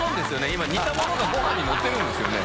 今煮たものが瓦呂鵑のってるんですよね？